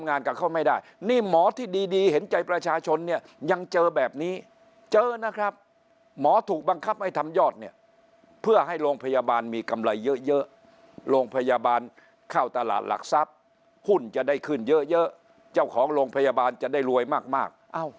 งานกับเขาไม่ได้นี่หมอที่ดีเห็นใจประชาชนเนี่ยยังเจอแบบนี้เจอนะครับหมอถูกบังคับให้ทำยอดเนี่ยเพื่อให้โรงพยาบาลมีกำไรเยอะโรงพยาบาลเข้าตลาดหลักทรัพย์หุ้นจะได้ขึ้นเยอะเจ้าของโรงพยาบาลจะได้รวยมาก